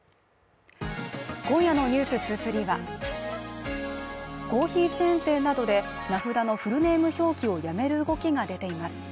今夜の「ｎｅｗｓ２３」はコーヒーチェーンてなどで名札のフルネーム表記をやめる動きが出ています。